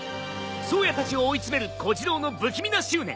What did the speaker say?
颯也たちを追い詰める小次郎の不気味な執念。